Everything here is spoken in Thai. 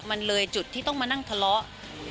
มันเลยจุดที่ต้องมานั่งทะเลาะ